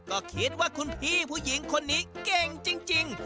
ก็คิดว่าคุณพี่ผู้หญิงคนนี้เก่งจริง